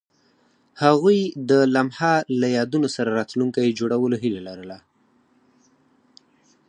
هغوی د لمحه له یادونو سره راتلونکی جوړولو هیله لرله.